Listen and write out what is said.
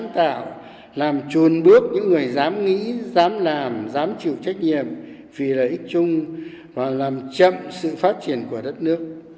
tạo làm chuồn bước những người dám nghĩ dám làm dám chịu trách nhiệm vì lợi ích chung và làm chậm sự phát triển của đất nước